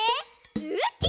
ウッキー！